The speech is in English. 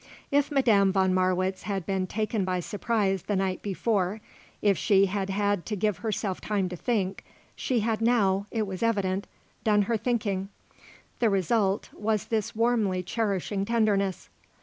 If Madame von Marwitz had been taken by surprise the night before, if she had had to give herself time to think, she had now, it was evident, done her thinking. The result was this warmly cherishing tenderness.